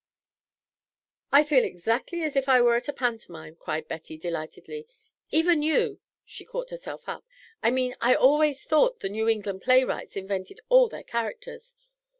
"I feel exactly as if I were at a pantomime," cried Betty, delightedly. "Even you " She caught herself up. "I mean I always thought the New England playwrights invented all their characters.